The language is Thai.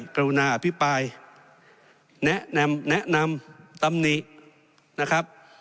กรุณาอภิปรายแนะนำแนะนำตำหนินะครับ